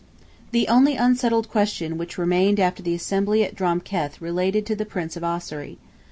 The only unsettled question which remained after the Assembly at Drom Keth related to the Prince of Ossory.